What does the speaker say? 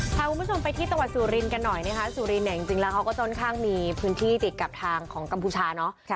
พาคุณผู้ชมไปที่จังหวัดสุรินทร์กันหน่อยนะคะสุรินเนี่ยจริงแล้วเขาก็ค่อนข้างมีพื้นที่ติดกับทางของกัมพูชาเนาะ